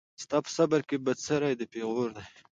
ستا په صبر کي بڅری د پېغور دی